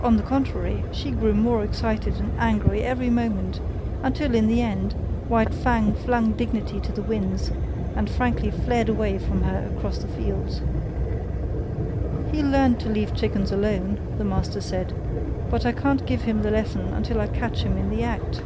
On the contrary, she grew more excited and angry every moment, until, in the end, White Fang flung dignity to the winds and frankly fled away from her across the fields. "He'll learn to leave chickens alone," the master said. "But I can't give him the lesson until I catch him in the act."